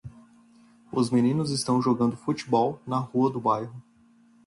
Os meninos estão jogando futebol na rua do bairro.